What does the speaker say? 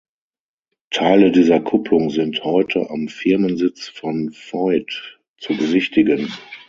Teile dieser Kupplung sind heute am Firmensitz von Voith zu besichtigen.